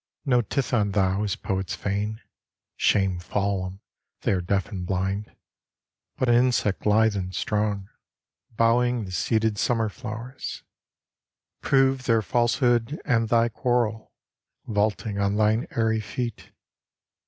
No Tithon thou as poets feign (Shame fall 'em they are deaf and blind) But an insect lithe and strong, Bowing the seeded summerflowers. Prove their falsehood and thy quarrel, Vaulting on thine airy feet.